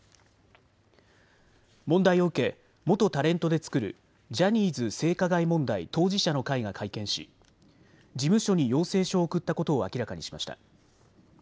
問題を受け、元タレントで作るジャニーズ性加害問題当事者の会が会見し事務所に要請書を送ったことを明らかにしました。